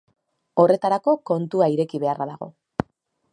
Horretarako kontua ireki beharra dago.